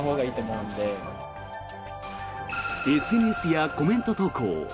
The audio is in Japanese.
ＳＮＳやコメント投稿